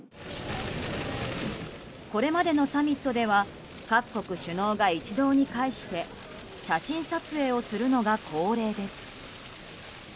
これまでのサミットでは各国首脳が一堂に会して写真撮影をするのが恒例です。